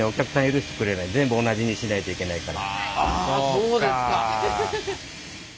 そうですか。